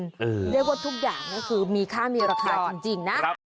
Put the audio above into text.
เรียกว่าทุกอย่างก็คือมีค่ามีราคาจริงนะ